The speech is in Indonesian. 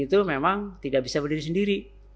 itu memang tidak bisa berdiri sendiri